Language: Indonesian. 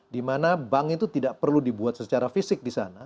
dimana bank itu tidak perlu dibuat secara fisik di sana